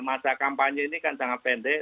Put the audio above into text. masa kampanye ini kan sangat pendek